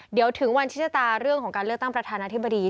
เดี๋ยวถึงวันชิชะตาเรื่องของการเลือกตั้งประธานาธิบดี